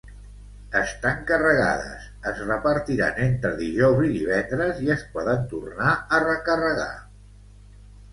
Estan carregades, es repartiran entre dijous i divendres i es poden tornar a recarregar.